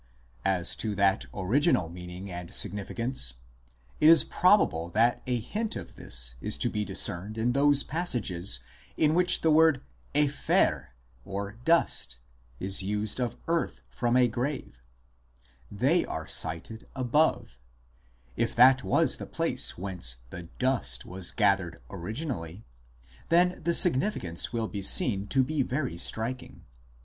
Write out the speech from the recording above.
As to that original meaning and significance, it is probable that a hint of this is to be discerned in those 1 Op. cit., pp. 280 f. MOURNING AND BURIAL CUSTOMS 159 passages in which the word dphdr ("dust") is used of earth from a grave ; they are cited above ; if that was the place whence the " dust " was gathered originally, then the significance will be seen to be very striking.